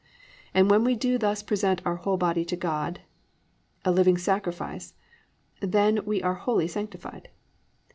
And when we do thus present our whole body to God a living sacrifice, then we are wholly sanctified.